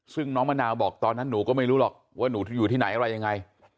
ซึ่งน้องมะนาวบอกตอนนั้นหนูก็ไม่รู้หรอกว่าหนูอยู่ที่ไหนอะไรยังไง